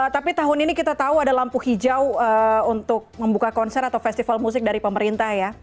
tapi tahun ini kita tahu ada lampu hijau untuk membuka konser atau festival musik dari pemerintah ya